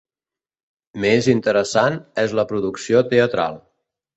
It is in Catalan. Més interessant és la producció teatral.